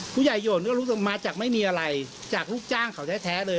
ผู้ใหญ่โหดก็รู้สึกว่ามาจากไม่มีอะไรจากลูกจ้างเขาแท้เลย